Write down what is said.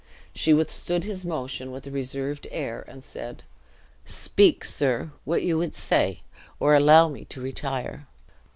She withstood his motion with a reserved air, and said, "Speak, sir, what you would say, or allow me to retire."